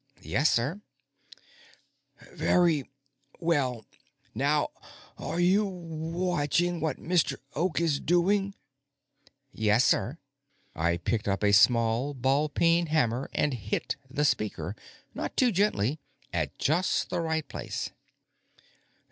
"Yes, sir." "Very well. Now, are you watching what Mr. Oak is doing?" "Yes, sir." I picked up a small ball peen hammer and hit the speaker not too gently at just the right place.